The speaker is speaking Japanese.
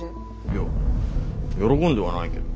いや喜んではないけど。